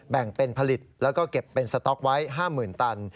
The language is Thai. แบ่งเป็นผลิตแล้วก็เก็บเป็นสต๊อกไว้๕๐๐๐ตัน